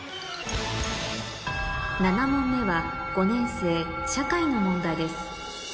７問目は５年生社会の問題です